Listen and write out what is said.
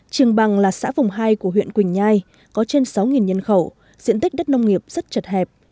trường bằng là xã vùng hai của huyện quỳnh nhai có trên sáu nhân khẩu diện tích đất nông nghiệp rất chật hẹp